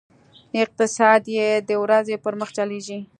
اقتصاد یې د ورځې پر مخ چلېږي.